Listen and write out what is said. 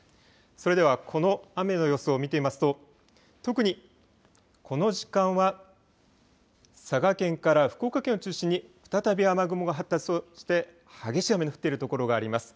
それではこの雨の様子を見てみますと特にこの時間は佐賀県から福岡県を中心に再び雨雲が発達をして激しい雨の降っているところがあります。